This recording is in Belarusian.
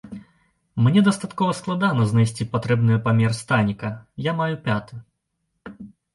Мне дастаткова складана знайсці патрэбны памер станіка, я маю пяты.